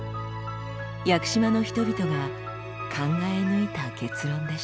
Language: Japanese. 屋久島の人々が考え抜いた結論でした。